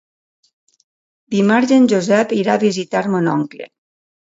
Dimarts en Josep irà a visitar mon oncle.